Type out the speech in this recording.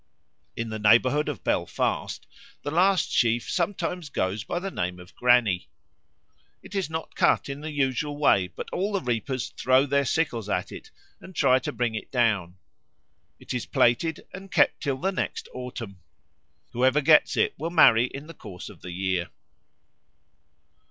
In the neighbourhood of Belfast the last sheaf sometimes goes by the name of the Granny. It is not cut in the usual way, but all the reapers throw their sickles at it and try to bring it down. It is plaited and kept till the (next?) autumn. Whoever gets it will marry in the course of the year.